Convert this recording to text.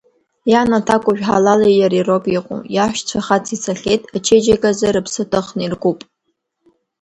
Иан аҭакәажә ҳалали иареи роуп иҟоу, иаҳәшьцәа хаҵа ицахьеит, ачеиџьыка азы рыԥсы ҭыхны иркуп.